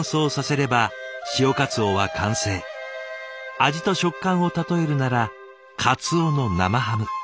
味と食感を例えるなら「鰹の生ハム」。